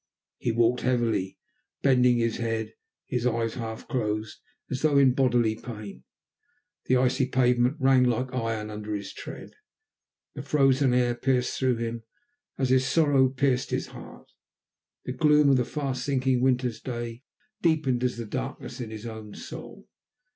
He walked heavily, bending his head, his eyes half closed as though in bodily pain, the icy pavement rang like iron under his tread, the frozen air pierced through him, as his sorrow pierced his heart, the gloom of the fast sinking winter's day deepened as the darkness in his own soul.